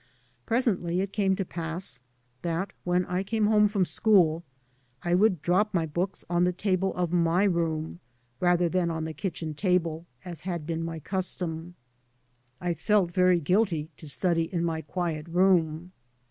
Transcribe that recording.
Presently it came to pass that, when I came home from school, I would drop my books on the table of my room, rather than on the kitchen table, as had been my custom. [lOl] 3 by Google MY MOTHER AND J I felt very guilty to study in my quiet room.